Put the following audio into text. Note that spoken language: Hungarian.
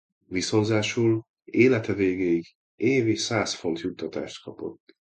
Viszonzásul élete végéig évi száz font juttatást kapott.